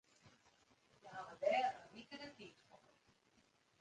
Hja hawwe dêr in wike de tiid foar.